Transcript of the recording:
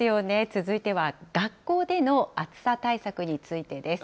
続いては、学校での暑さ対策についてです。